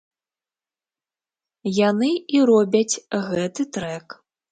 Яны і робяць гэты трэк.